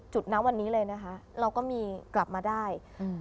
จุดนั้นวันนี้เลยนะคะเราก็มีกลับมาได้